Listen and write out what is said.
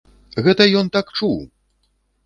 Гэта ён так чуў!